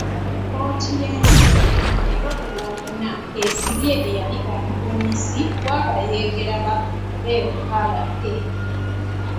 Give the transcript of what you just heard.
Kkooti y'ensi yonna leero ku Lwokuna esibye eyali omuduumizi w'abayeekera ba LRA .